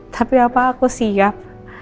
tapi apa aku siap